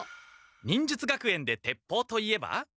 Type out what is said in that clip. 忍術学園で鉄砲といえば？